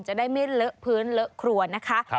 จะได้ไม่เลอะพื้นเลอะครัวนะคะ